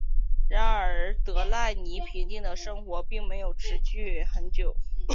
然而德莱尼平静的生活并没有持续很久。